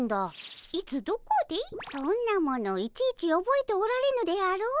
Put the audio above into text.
そんなものいちいちおぼえておられぬであろう。